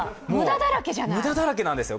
無駄だらけなんですよ。